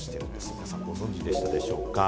皆さん、ご存じでしたでしょうか？